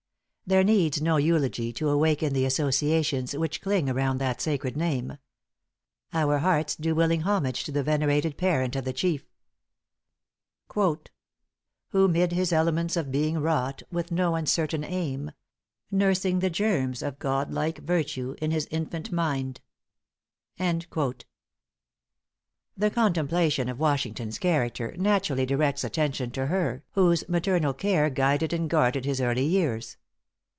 There needs no eulogy to awaken the associations which cling around that sacred name. Our hearts do willing homage to the venerated parent of the chief = ```"Who 'mid his elements of being wrought ```With no uncertain aim nursing the germs ```Of godlike virtue in his infant mind."= The contemplation of Washington's character naturally directs attention to her whose maternal care guided and guarded his early years.